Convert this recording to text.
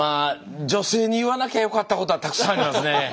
女性に言わなきゃよかったことはたくさんありますね。